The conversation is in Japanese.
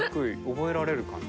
覚えられるかな？